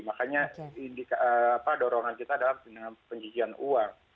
makanya dorongan kita adalah dengan penyisian uang